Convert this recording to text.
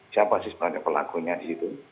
saya pasti melihat pelakunya di situ